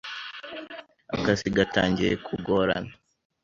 Akazi gatangiye kugorana.